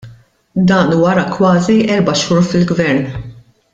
Dan wara kważi erba' xhur fil-gvern.